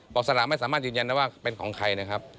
อกสลากไม่สามารถยืนยันได้ว่าเป็นของใครนะครับ